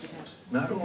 なるほど。